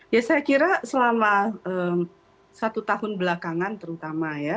ya saya kira selama satu tahun belakangan terutama ya